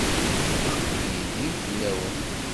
Aql-iyi din fell-awen.